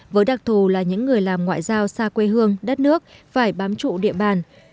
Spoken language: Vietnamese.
với đặc thù là những người làm ngoại giao xa quê hương đất nước phải bám trụ địa bàn